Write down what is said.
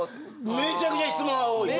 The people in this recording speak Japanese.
めちゃくちゃ質問は多いよね。